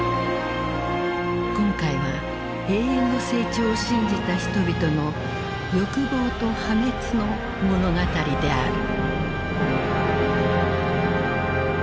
今回は永遠の成長を信じた人々の欲望と破滅の物語である。